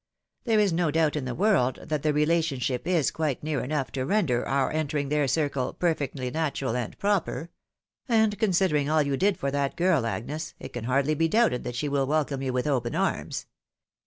There is no doubt in the world that the relation ship is quite near enough to render our entering their circle perfectly natural and proper ; and considering all you did for that girl Agnes, it can hardly be doubted that she will welcome you with open arms.